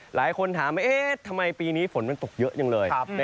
หลายคนถามว่าเอ๊ะทำไมปีนี้ฝนมันตกเยอะจังเลย